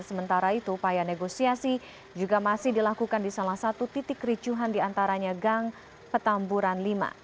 sementara itu upaya negosiasi juga masih dilakukan di salah satu titik ricuhan diantaranya gang petamburan lima